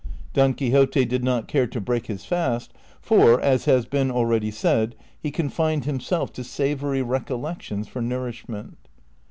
Don Quixote did not care to break his fast, for, as has been already said, he confined himself to savory recollections for nou^rishment.